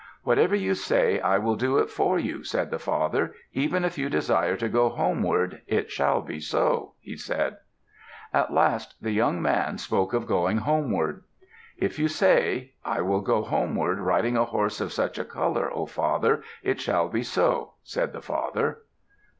"Whatever you say I will do it for you," said the father. "Even if you desire to go homeward, it shall be so," he said. At last the young man spoke of going homeward. "If you say, 'I will go homeward riding a horse of such a color, O father!' it shall be so," said the father.